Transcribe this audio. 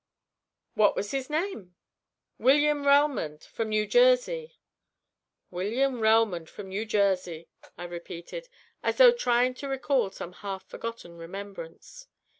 "What was his name?" "William Relmond, from New Jersey." "William Relmond, from New Jersey," I repeated, as though trying to recall some half forgotten remembrance.